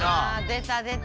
出た出た。